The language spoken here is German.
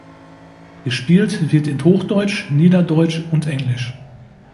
Gespielt wird in Hochdeutsch, Niederdeutsch und Englisch.